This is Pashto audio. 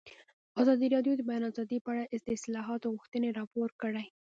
ازادي راډیو د د بیان آزادي په اړه د اصلاحاتو غوښتنې راپور کړې.